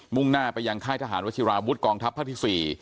่งหน้าไปยังค่ายทหารวชิราวุฒิกองทัพภาคที่๔